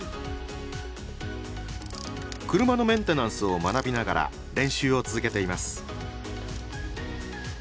車のメンテナンスを学びながら練習を続けています。